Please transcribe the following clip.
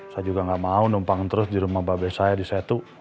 saya juga gak mau numpang terus di rumah babe saya di setu